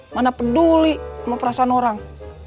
mana peduli sama perasaan orang